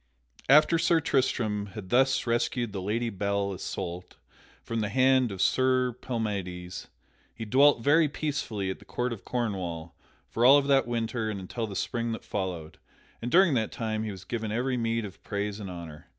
_ After Sir Tristram had thus rescued the Lady Belle Isoult from the hand of Sir Palamydes, he dwelt very peacefully at the court of Cornwall for all of that winter and until the spring that followed, and during that time he was given every meed of praise and honor.